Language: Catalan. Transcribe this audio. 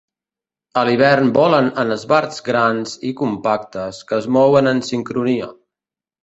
A l'hivern volen en esbarts grans i compactes que es mouen en sincronia.